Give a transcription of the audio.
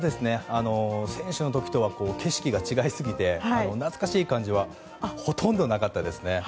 選手の時とは景色が違いすぎて懐かしい感じはほとんどなかったですね。